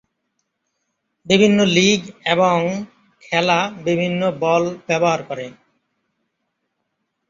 বিভিন্ন লিগ এবং খেলা বিভিন্ন বল ব্যবহার করে।